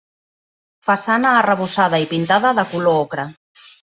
Façana arrebossada i pintada de color ocre.